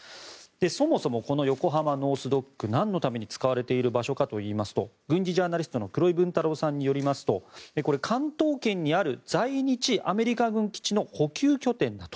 そもそもこの横浜ノース・ドックなんのために使われている場所かというと軍事ジャーナリストの黒井文太郎さんによりますと関東圏にある在日アメリカ軍基地の補給拠点だと。